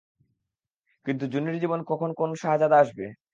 কিন্তু জুনির জীবন কখন কোন শাহজাদা আসবে?